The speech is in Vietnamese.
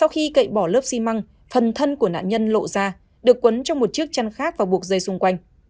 sau khi cậy bỏ lớp xi măng phần thân của nạn nhân lộ ra được quấn trong một chiếc chăn khác và buộc dây xung quanh